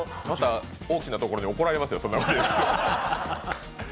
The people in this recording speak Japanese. また大きなところに怒られますよ。